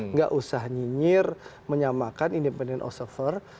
nggak usah nyinyir menyamakan independent osover